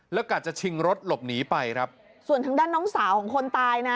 และกลับจะชิงรถหลบหนีไปส่วนทั้งด้านน้องสาวของคนตายนะ